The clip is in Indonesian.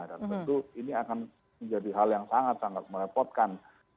tentu ini akan menjadi hal yang sangat sangat merepotkan